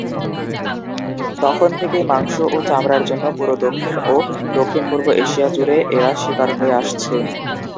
তখন থেকেই মাংস ও চামড়ার জন্য পুরো দক্ষিণ ও দক্ষিণ- পূর্ব এশিয়া জুড়ে এরা শিকার হয়ে আসছে।